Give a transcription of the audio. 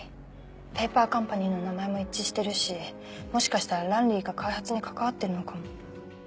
ペーパーカンパニーの名前も一致してるしもしかしたらランリーが開発に関わってるのかも。